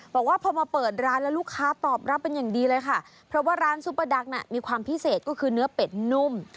บอกว่าพอมาเปิดร้านแล้วลูกค้าตอบรับเป็นอย่างดีเลยค่ะเพราะว่าร้านซุปเปอร์ดักน่ะมีความพิเศษก็คือเนื้อเป็ดนุ่ม